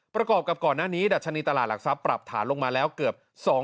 ประกอบกับก่อนหน้านี้ดัชนีตลาดหลักทรัพย์ปรับฐานลงมาแล้วเกือบ